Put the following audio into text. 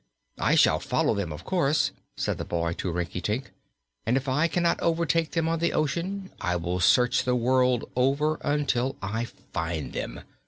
"I shall follow them, of course," said the boy to Rinkitink, "and if I cannot overtake them on the ocean I will search the world over until I find them.